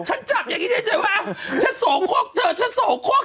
ฉันจับอย่างนี้แน่วะฉันโสโคกเธอฉันโสโคก